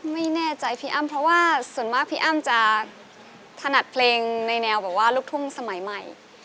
ไม่แน่ใจพี่อ้ำเพราะว่าส่วนมากพี่อ้ำจะถนัดเพลงในแนวแบบว่าลูกทุ่งสมัยใหม่